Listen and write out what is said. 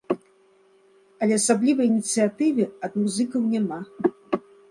Але асаблівай ініцыятывы ад музыкаў няма.